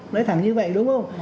nói thẳng như vậy đúng không